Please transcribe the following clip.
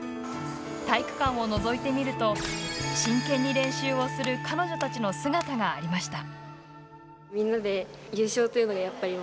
体育館をのぞいてみると真剣に練習をする彼女たちの姿がありました。